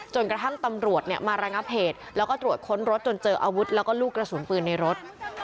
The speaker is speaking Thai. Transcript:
จนกระทั่งตำรวจมาระงับเหตุแล้วก็ตรวจค้นรถจนเจออาวุธแล้วก็ลูกกระสุนปืนในรถ